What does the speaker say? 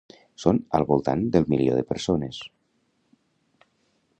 Són al voltant del milió de persones.